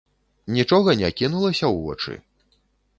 Нічога не кінулася ў вочы?